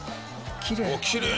きれい。